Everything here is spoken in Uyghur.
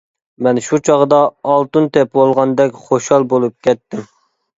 مەن شۇ چاغدا ئالتۇن تېپىۋالغاندەك خۇشال بولۇپ كەتتىم.